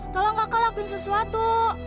tolong kakak lakuin sesuatu